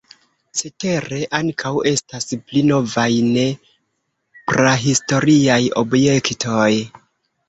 Cetere, ankaŭ estas pli novaj ne-prahistoriaj objektoj.